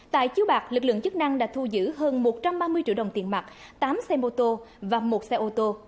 tại chiếu bạc lực lượng chức năng đã thu giữ hơn một trăm ba mươi triệu đồng tiền mặt tám xe mô tô và một xe ô tô